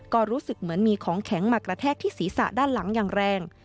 ก็รู้สึกเหมือนมีของแข็งมากระแทกที่ศีรษะด้านหลังอย่างแรง